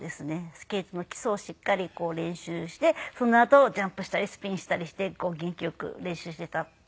スケートの基礎をしっかり練習してそのあとジャンプしたりスピンしたりして元気よく練習していた。